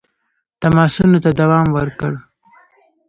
تماسونو ته دوام ورکړ.